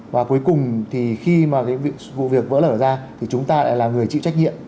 và cuối cùng thì khi mà cái vụ việc vỡ lở ra thì chúng ta lại là người chịu trách nhiệm